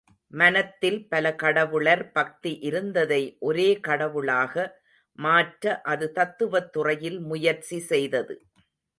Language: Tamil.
மனத்தில் பல கடவுளர் பக்தி இருந்ததை ஒரே கடவுளாக மாற்ற அது தத்துவத் துறையில் முயற்சி செய்தது.